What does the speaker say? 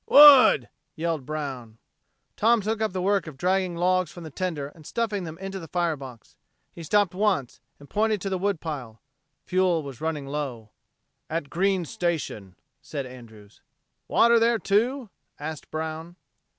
"Wood!" yelled Brown. Tom took up the work of dragging logs from the tender and stuffing them in the fire box. He stopped once, and pointed to the wood pile. Fuel was running low. "At Green's Station," said Andrews. "Water there, too?" asked Brown.